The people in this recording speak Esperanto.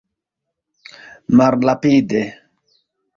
malrapida